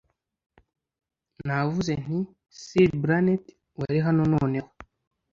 Navuze nti Sire Brunet wari hano noneho